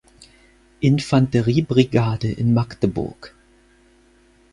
Infanterie-Brigade in Magdeburg.